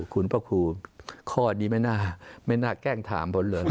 คุณพระคุณข้อนี้ไม่น่าแกล้งถามเพราะเลอะ